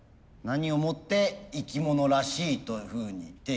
何をもって生き物らしいというふうに定義するのか。